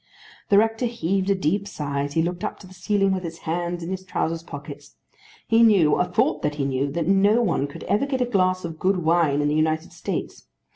The rector heaved a deep sigh as he looked up to the ceiling with his hands in his trowsers pockets. He knew, or thought that he knew, that no one could ever get a glass of good wine in the United States.